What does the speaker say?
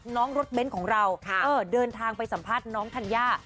น้องรถเบ้นของเราเดินทางไปสัมภาษณ์น้องธัญญา